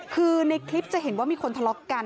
คือในคลิปจะเห็นว่ามีคนทะเลาะกัน